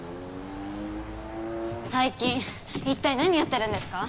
最近一体何やってるんですか？